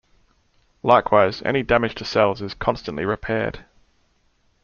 Likewise, any damage to cells is constantly repaired.